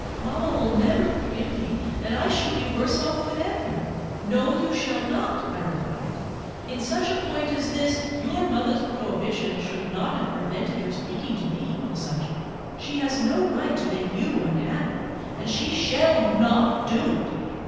Mamma will never forgive me, and I shall be worse off than ever." "No, you shall not," I replied; "in such a point as this your mother's prohibition ought not to have prevented your speaking to me on the subject. She has no right to make you unhappy, and she shall not do it.